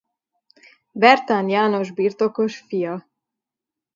Vertán János birtokos fia.